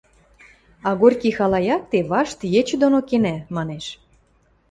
а Горький хала якте вашт ечӹ доно кенӓ, — манеш.